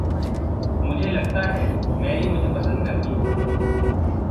मुझे लगता है मैरी मुझे पसंद करती है।